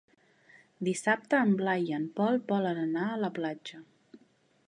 Dissabte en Blai i en Pol volen anar a la platja.